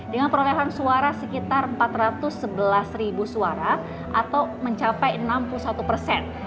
dengan perolehan suara sekitar empat ratus sebelas ribu suara atau mencapai enam puluh satu persen